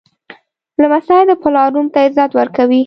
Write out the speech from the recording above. لمسی د پلار نوم ته عزت ورکوي.